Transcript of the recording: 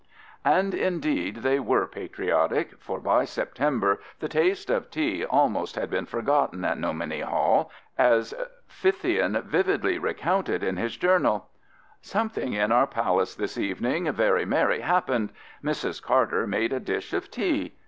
And indeed they were patriotic, for by September the taste of tea almost had been forgotten at Nomini Hall, as Fithian vividly recounted in his journal: Something in our palace this Evening, very merry happened Mrs. Carter made a dish of Tea.